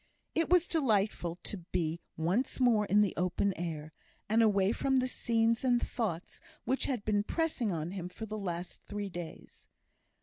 It was delightful to be once more in the open air, and away from the scenes and thoughts which had been pressing on him for the last three days.